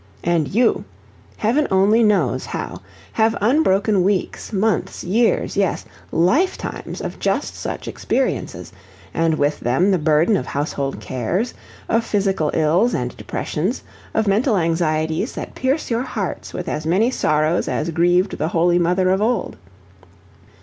And you Heaven only knows how have unbroken weeks, months, years, yes, lifetimes of just such experiences, and with them the burden of household cares, of physical ills and depressions, of mental anxieties that pierce your hearts with as many sorrows as grieved the Holy Mother of old.